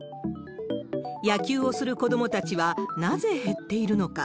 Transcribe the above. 野球をする子どもたちはなぜ減っているのか。